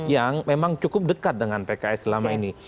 yang memang cukup dekat dengan pks selama ini